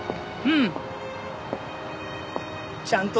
うん。